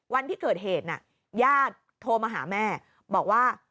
วันที่เกิดเหตุน่ะญาติโทรมาหาแม่บอกว่า